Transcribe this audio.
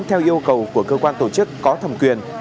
theo yêu cầu của cơ quan tổ chức có thẩm quyền